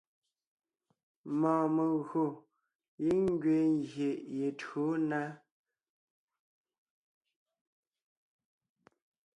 Mɔɔn megÿò giŋ ngẅiin ngyè ye tÿǒ na.